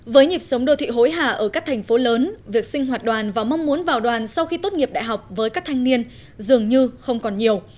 với nhịp sống đô thị hối hà ở các thành phố lớn việc sinh hoạt đoàn và mong muốn vào đoàn sau khi tốt nghiệp đại học với các thanh niên dường như không còn nhiều